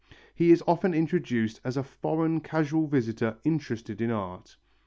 He is often introduced as a foreign casual visitor interested in art.